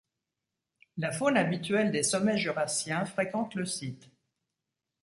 La faune habituelle des sommets jurassiens fréquente le site.